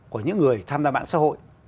của những người tham gia mạng xã hội